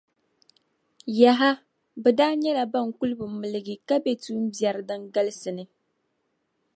Yaha! Bɛ daa nyɛla ban kuli bi milgi ka be tuumbiɛri din galsi ni.